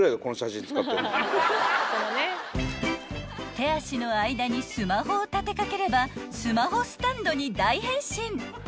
［手足の間にスマホを立て掛ければスマホスタンドに大変身］